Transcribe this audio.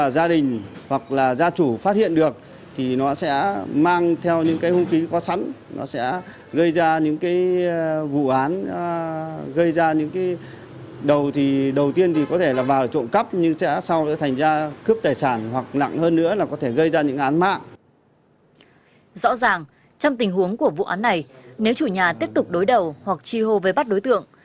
rõ ràng trong tình huống của vụ án này nếu chủ nhà tiếp tục đối đầu hoặc chi hô với bắt đối tượng